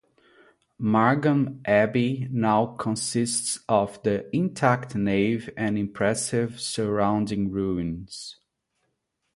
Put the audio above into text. Margam Abbey now consists of the intact nave and impressive surrounding ruins.